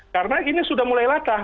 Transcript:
karena ini sudah mulai latah